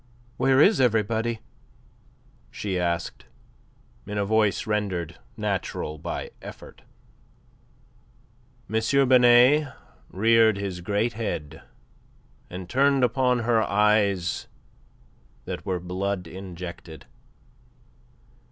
"Where is everybody?" she asked, in a voice rendered natural by effort. M. Binet reared his great head and turned upon her eyes that were blood injected.